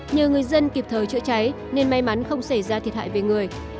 nhờ người dân kịp thời chữa cháy nên may mắn không xảy ra thiệt hại về người